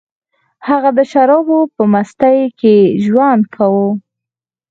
هغه د شرابو په مستۍ کې ژوند کاوه